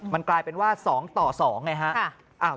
มันกลายเป็นว่า๒ต่อ๒ไงฮะ